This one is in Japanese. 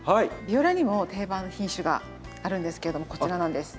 ビオラにも定番品種があるんですけどもこちらなんです。